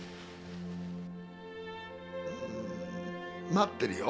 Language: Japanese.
待ってるよ。